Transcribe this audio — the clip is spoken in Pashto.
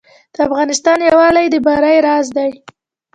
د افغانستان یووالی د بری راز دی